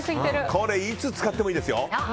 これ、いつ使ってもいいですよ。